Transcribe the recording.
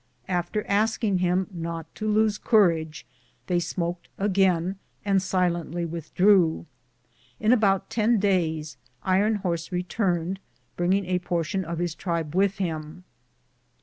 After asking him not to lose courage, they smoked again, and silently withdrew. In about ten days Iron Horse returned, bringing a portion of his tribe with him.